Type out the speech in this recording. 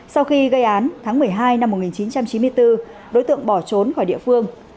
sau khi gây án tháng một mươi hai năm một nghìn chín trăm chín mươi bốn đối tượng bỏ trốn khỏi địa phương